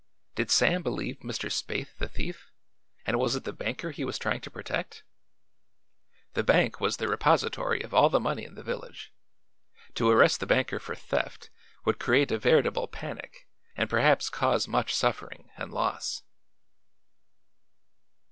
Did Sam believe Mr. Spaythe the thief and was it the banker he was trying to protect? The bank was the repository of all the money in the village; to arrest the banker for theft would create a veritable panic and perhaps cause much suffering and loss.